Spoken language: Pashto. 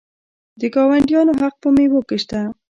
د ګاونډیانو حق په میوو کې شته.